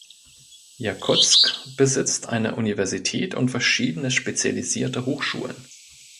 Jakutsk besitzt eine Universität und verschiedene spezialisierte Hochschulen.